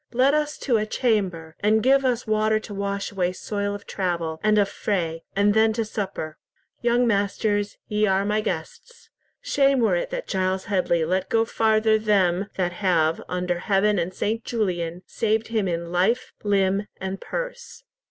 Let us to a chamber, and give us water to wash away soil of travel and of fray, and then to supper. Young masters, ye are my guests. Shame were it that Giles Headley let go farther them that have, under Heaven and St. Julian, saved him in life, limb, and purse."